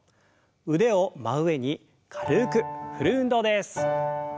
腕を真上に軽く振る運動です。